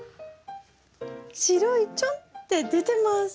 白いちょんって出てます。